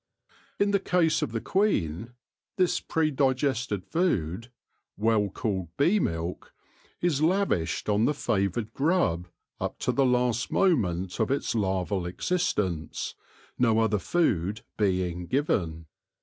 In the case of the queen, this pre digested food, well called bee milk, is lavished on the favoured grub up to the last moment of its larval existence, no other food being given.